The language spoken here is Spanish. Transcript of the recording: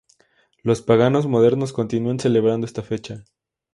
Los paganos modernos continúan celebrando esta fecha.